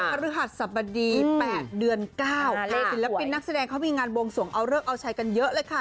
พระฤหัสสบดี๘เดือน๙ศิลปินนักแสดงเขามีงานบวงสวงเอาเลิกเอาชัยกันเยอะเลยค่ะ